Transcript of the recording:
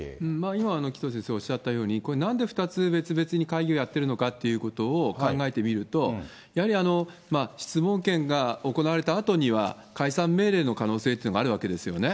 今、紀藤先生おっしゃったように、これ、なんで２つ別々に会議をやってるのかということを考えてみると、やはり質問権が行われたあとには、解散命令の可能性というのがあるわけですよね。